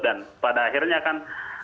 dan pada akhirnya kan